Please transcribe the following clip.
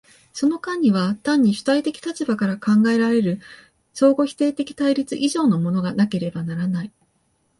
その間には単に主体的立場から考えられる相互否定的対立以上のものがなければならない。